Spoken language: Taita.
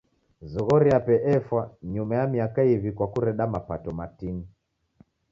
Zoghori yape efwa nyuma ya miaka iw'i kwa kureda mapato matini.